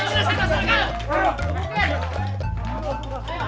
sayang keluarga lo